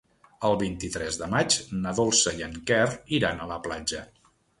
El vint-i-tres de maig na Dolça i en Quer iran a la platja.